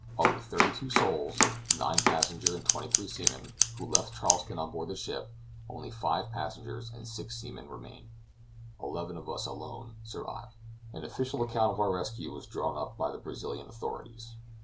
Of the thirty two souls nine passengers and twenty three seamen who left Charleston on board the ship, only five passengers and six seamen remain. Eleven of us alone survive. An official account of our rescue was drawn up by the Brazilian authorities.